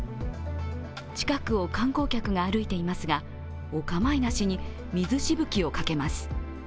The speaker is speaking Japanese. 近くを観光客が歩いていますがお構いなしに水しぶきをかけます。